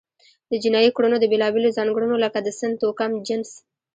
د جنایي کړنو د بیلابېلو ځانګړنو لکه د سن، توکم، جنس،